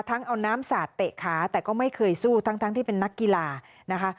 เอาน้ำสาดเตะขาแต่ก็ไม่เคยสู้ทั้งที่เป็นนักกีฬานะคะ